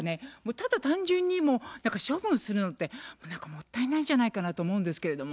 ただ単純にもう処分するのって何かもったいないんじゃないかなと思うんですけれども。